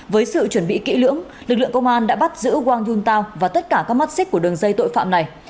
với sự chuẩn bị kỹ lưỡng lực lượng công an đã bắt giữ wang yuntao và tất cả các mắt xích của đường dây tội phạm này